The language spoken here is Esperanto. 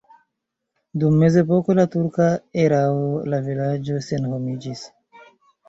Dum mezepoko la turka erao la vilaĝo senhomiĝis.